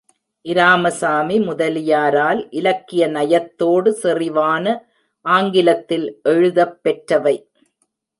இராமசாமி முதலியாரால் இலக்கிய நயத்தோடு செறிவான ஆங்கிலத்தில் எழுதப் பெற்றவை.